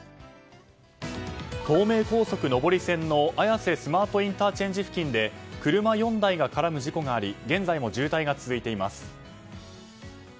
東名高速上り線の綾瀬スマートＩＣ付近で車４台が絡む事故があり現在も渋滞が続いています。